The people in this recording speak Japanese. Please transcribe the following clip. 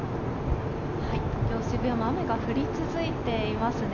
東京・渋谷も雨が降り続いていますね。